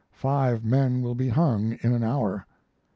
Five men will be hung in an hour."